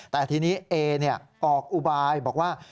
แต่ทีนี้เอออกอุบายบอกว่า